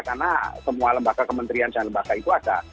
karena semua lembaga kementerian dan lembaga itu ada